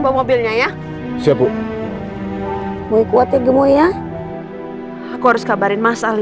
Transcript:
bawa mobilnya ya siapu boleh kuatnya gemuk ya aku harus kabarin mas alini